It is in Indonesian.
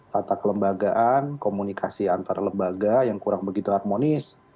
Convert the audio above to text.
tata kelembagaan komunikasi antar lembaga yang kurang begitu harmonis